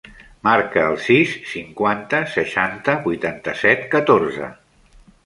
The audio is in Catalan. Marca el sis, cinquanta, seixanta, vuitanta-set, catorze.